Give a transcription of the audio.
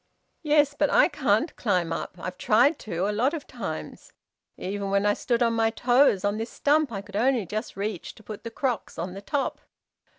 "Yes, but I can't climb up. I've tried to, a lot of times. Even when I stood on my toes on this stump I could only just reach to put the crocks on the top."